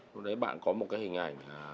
lúc đấy bạn có một cái hình ảnh